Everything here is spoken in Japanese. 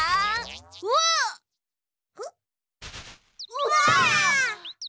うわ！